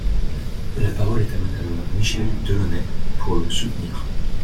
La parole est à Madame Michèle Delaunay, pour le soutenir.